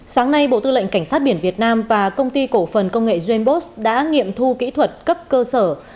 sáng nay bộ tư lệnh cảnh sát biển việt nam và công ty cổ phần công nghệ jamesbot đã nghiệm thu kỹ thuật cấp cơ sở